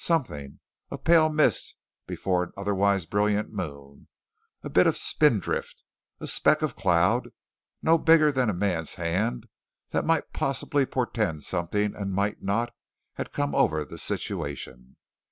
Something a pale mist before an otherwise brilliant moon; a bit of spindrift; a speck of cloud, no bigger than a man's hand that might possibly portend something and might not, had come over the situation.